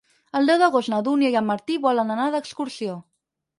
El deu d'agost na Dúnia i en Martí volen anar d'excursió.